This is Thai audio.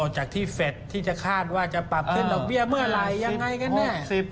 จากที่เฟสที่จะคาดว่าจะปรับขึ้นดอกเบี้ยเมื่อไหร่ยังไงกันแน่